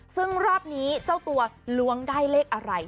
ซึ่งรอบนี้เจ้าตัวล้วงได้เลขอะไร